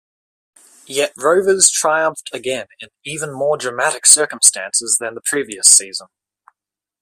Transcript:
Yet Rovers triumphed again in even more dramatic circumstances than the previous season.